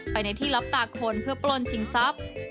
ไปในที่รับตาคนเพื่อปล้นชิงทรัพย์